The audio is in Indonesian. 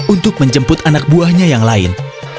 untuk menjemput anak buahnya yang lain